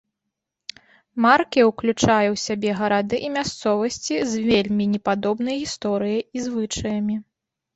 Марке ўключае ў сябе гарады і мясцовасці з вельмі непадобнай гісторыяй і звычаямі.